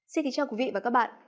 xin kính chào quý vị và các bạn